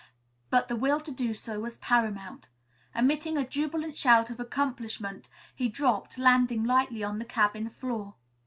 But the will to do so was paramount. Emitting a jubilant shout of accomplishment, he dropped, landing lightly on the cabin floor.